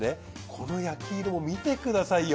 この焼き色を見てくださいよ。